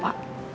padahal gue lupa